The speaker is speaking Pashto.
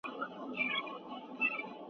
ځینې خلک تر فشار لاندې ډېر خوري.